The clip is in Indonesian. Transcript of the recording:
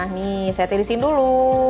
ini saya tirisin dulu